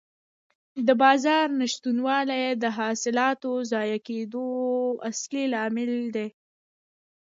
د بازار نشتوالی د حاصلاتو ضایع کېدو اصلي لامل دی.